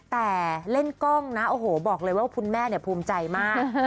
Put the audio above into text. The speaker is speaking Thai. แต่เล่นกล้องนะโอ้โหบอกเลยว่าคุณแม่ภูมิใจมาก